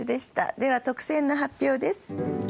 では特選の発表です。